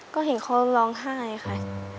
ก็เห็นเขาร้องไห้ค่ะ